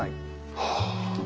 はあ。